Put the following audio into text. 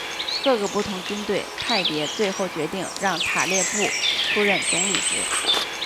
各个不同军队派别最后决定让塔列布出任总理职。